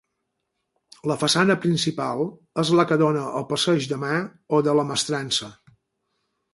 La façana principal és la que dóna al passeig de Mar o de la Mestrança.